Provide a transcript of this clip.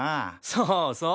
そうそう。